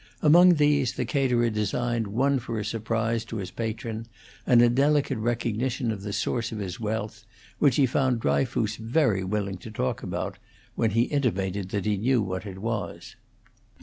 Among these the caterer designed one for a surprise to his patron and a delicate recognition of the source of his wealth, which he found Dryfoos very willing to talk about, when he intimated that he knew what it was.